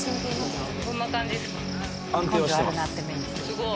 すごい。